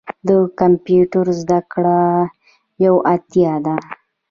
د کمپیوټر زده کړه یوه اړتیا ده.